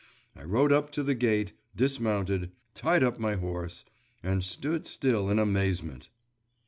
… I rode up to the gate, dismounted, tied up my horse, and stood still in amazement.